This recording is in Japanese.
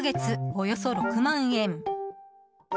およそ６万円。